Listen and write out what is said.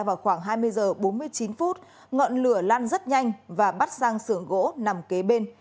vào khoảng hai mươi h bốn mươi chín phút ngọn lửa lan rất nhanh và bắt sang sưởng gỗ nằm kế bên